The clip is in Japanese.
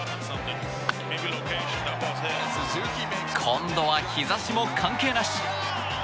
今度は日差しも関係なし。